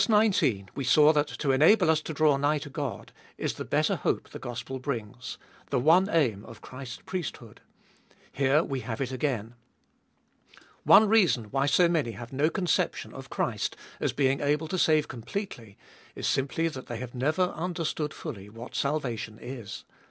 19 we saw that to enable us to draw nigh to God is the better hope the gospel brings — the one aim of Christ's priesthood. Here we have it again. One reason why so many have no conception of Christ as able to save completely is simply that they have never understood fully what salvation is.